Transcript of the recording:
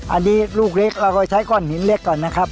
อันนี้ลูกเล็กเราก็ใช้ก้อนหินเล็กก่อนนะครับ